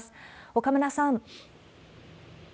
岡村さん。